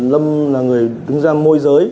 lâm là người đứng ra môi giới